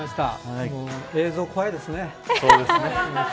映像、怖いですね。